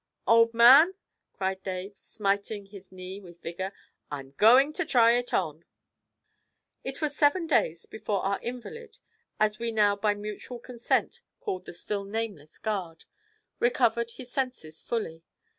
'Old man!' cried Dave, smiting his knee with vigour, 'I'm going to try it on!' It was seven days before our invalid as we now by mutual consent called the still nameless guard recovered his senses fully.